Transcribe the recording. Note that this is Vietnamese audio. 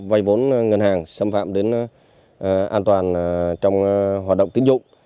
vay vốn ngân hàng xâm phạm đến an toàn trong hoạt động tín dụng